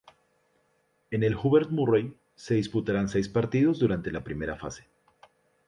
En el Hubert Murray se disputarán seis partidos durante la primera fase.